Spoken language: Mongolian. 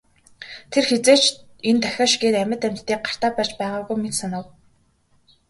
Тэр хэзээ ч энэ тахиа шигээ амьд амьтныг гартаа барьж байгаагүй мэт санав.